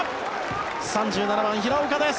３７番、平岡です！